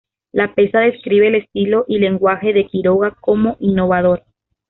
Lapesa describe el estilo y lenguaje de Quiroga como innovador.